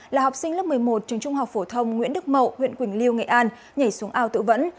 là học sinh lớp một mươi một trường trung học phổ thông nguyễn đức mậu huyện quỳnh liêu nghệ an nhảy xuống ao tự vẫn